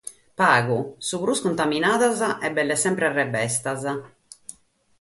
Pagas, su prus cuntaminadas e belle semper rebestas.